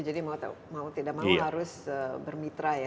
jadi mau tidak mau harus bermitra ya